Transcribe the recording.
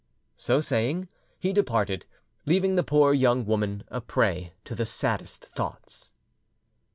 So saying, he departed, leaving the poor young woman a prey to the saddest thoughts.